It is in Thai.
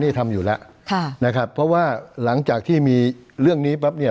นี่ทำอยู่แล้วค่ะนะครับเพราะว่าหลังจากที่มีเรื่องนี้ปั๊บเนี่ย